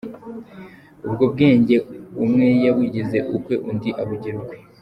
Ubwo bwenge umwe yabugize ukwe undi abugira ukwe.